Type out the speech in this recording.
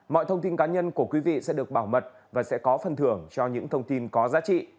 mọi thông tin cá nhân của quý vị sẽ được bảo mật và sẽ có phần thưởng cho những thông tin có giá trị